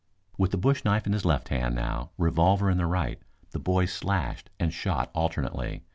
] With the bush knife in his left hand now, revolver in the right, the boy slashed and shot alternately.